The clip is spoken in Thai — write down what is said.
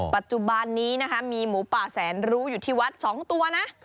ปัจจุบันนี้นะคะมีหมูป่าแสนรู้อยู่ที่วัด๒ตัวนะ